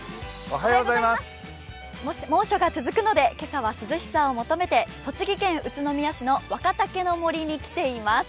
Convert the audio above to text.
猛暑が続くので今朝は涼しさを求めて栃木県宇都宮市の若竹の杜に来ています。